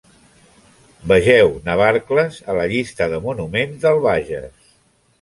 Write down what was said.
Vegeu Navarcles a la llista de monuments del Bages.